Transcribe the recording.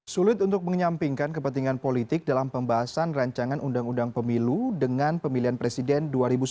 sulit untuk menyampingkan kepentingan politik dalam pembahasan rancangan undang undang pemilu dengan pemilihan presiden dua ribu sembilan belas